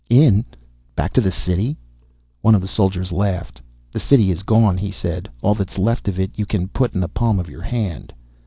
"In? Back to the City?" One of the soldiers laughed. "The City is gone," he said. "All that's left of it you can put in the palm of your hand."